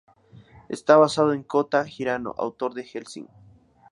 Está basado en Kōta Hirano, autor de Hellsing.